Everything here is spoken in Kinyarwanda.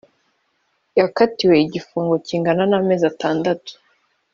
Yakatiwe igifungo kigana n amezi atandatu